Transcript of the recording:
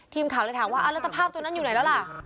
ทีมข่าวเลยถามว่าแล้วสภาพตัวนั้นอยู่ไหนแล้วล่ะ